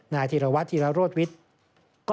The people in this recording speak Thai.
นายธีรวัตรธีรโรธวิทย์